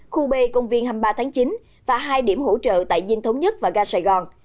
khu bê công viên hai mươi ba tháng chín và hai điểm hỗ trợ tại dinh thống nhất và ga sài gòn